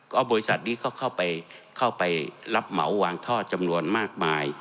ก็บริษัทนี้ก็เข้าไปรับเหมาวางท่อจำนวนมากมาย